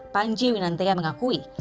panji winanteya mengakui